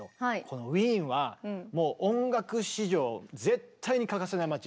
このウィーンはもう音楽史上絶対に欠かせない街。